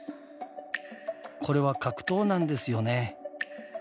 これは格闘なんですよね。